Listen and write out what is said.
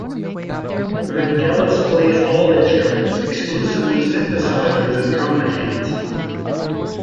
Vangelis plays all instruments: exclusively synthesizers and drum machines.